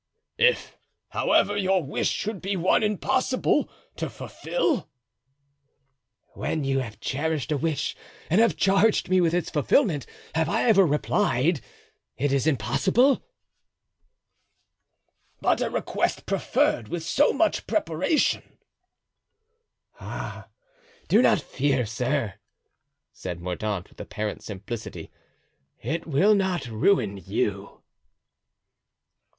"If, however, your wish should be one impossible to fulfill?" "When you have cherished a wish and have charged me with its fulfillment, have I ever replied, 'It is impossible'?" "But a request preferred with so much preparation——" "Ah, do not fear, sir," said Mordaunt, with apparent simplicity: "it will not ruin you."